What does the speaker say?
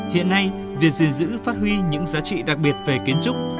hiện nay việc gìn giữ phát huy những giá trị đặc biệt về kiến trúc